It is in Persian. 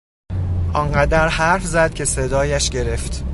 آنقدر حرف زد که صدایش گرفت.